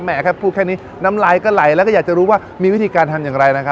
แค่พูดแค่นี้น้ำลายก็ไหลแล้วก็อยากจะรู้ว่ามีวิธีการทำอย่างไรนะครับ